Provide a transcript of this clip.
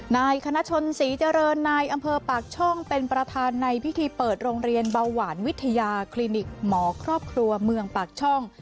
นายคณะชนศรีเจริญนายอำเภอปากช่องเป็นประธานในพิธีเปิดโรงเรียนเบาหวานวิทยาคลินิกหมอครอบครัวเมืองปากช่อง